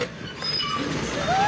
すごい！